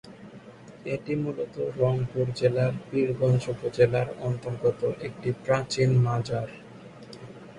এটি মূলত রংপুর জেলার পীরগঞ্জ উপজেলার অন্তর্গত একটি প্রাচীন মাজার।